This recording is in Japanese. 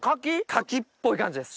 柿っぽい感じです。